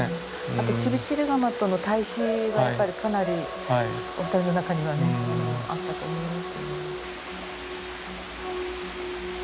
あとチビチリガマとの対比がやっぱりかなりお二人の中にはねあったと思います。